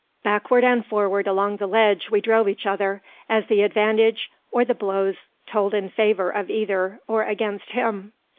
Backward and forward along the ledge we drove each other, as the advantage of the blows told in favour of either, or against him.